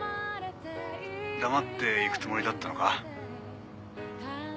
黙って行くつもりだったのか？